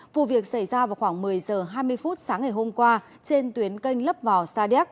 vụ việc xảy ra vào khoảng một mươi h hai mươi phút sáng ngày hôm qua trên tuyến canh lấp vò sa điếc